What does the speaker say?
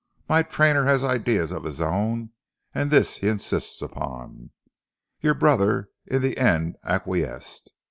My trainer has ideas of his own and this he insists upon. Your brother in the end acquiesced.